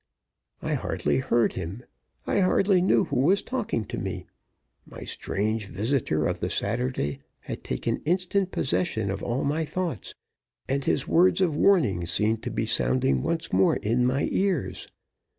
I hardly heard him; I hardly knew who was talking to me. My strange visitor of the Saturday had taken instant possession of all my thoughts, and his words of warning seemed to be sounding once more in my ears.